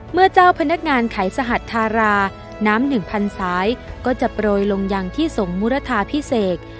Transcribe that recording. เมื่อเจ้าพนักงานไขสหัตถาราน้ำ๑๐๐๐สายก็จะโปรยลงยังที่สงภ์มุรธาพิเศก